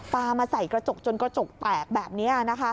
มาใส่กระจกจนกระจกแตกแบบนี้นะคะ